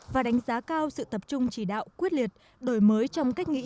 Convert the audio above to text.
và đánh giá cao sự tập trung chỉ đạo quyết liệt đổi mới trong cách nghĩ